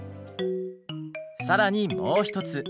更にもう一つ。